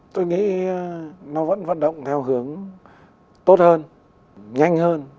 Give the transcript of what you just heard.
tôi nghĩ nó vẫn vận động theo hướng tốt hơn nhanh hơn